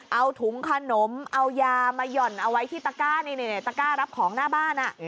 เอาถุงขนมเอายามาหย่อนเอาไว้ที่ตะก้านี่ตะก้ารับของหน้าบ้าน